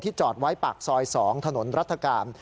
จอดไว้ปากซอย๒ถนนรัฐกาล